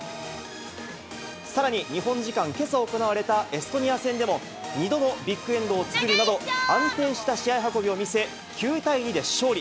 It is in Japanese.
さらに、日本時間けさ行われたエストニア戦でも、２度のビッグエンドを作るなど、安定した試合運びを見せ、９対２で勝利。